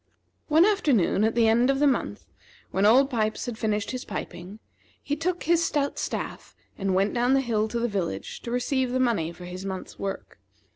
One afternoon, at the end of the month, when Old Pipes had finished his piping, he took his stout staff and went down the hill to the village to receive the money for his month's work.